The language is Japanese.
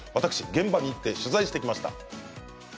現場に行って取材してきました。